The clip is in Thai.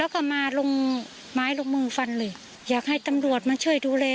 แล้วก็มาลงไม้ลงมือฟันเลยอยากให้ตำรวจมาช่วยดูแล